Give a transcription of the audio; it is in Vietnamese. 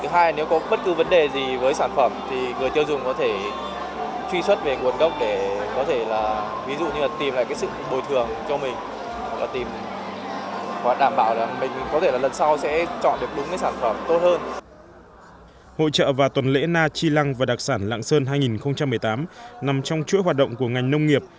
hội trợ và tuần lễ na chi lăng và đặc sản lạng sơn hai nghìn một mươi tám nằm trong chuỗi hoạt động của ngành nông nghiệp